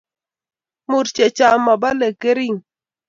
Murchechang mobole kering